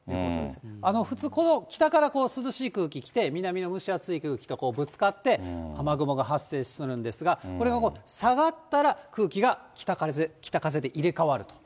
普通、北から涼しい空気来て南の蒸し暑い空気とぶつかって、雨雲が発生するんですが、これが下がったら空気が北風で入れ替わると。